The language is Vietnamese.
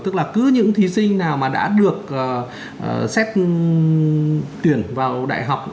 tức là cứ những thí sinh nào mà đã được xét tuyển vào đại học